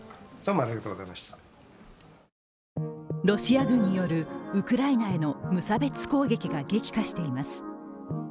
ロシア軍によるウクライナへの無差別攻撃が激化しています。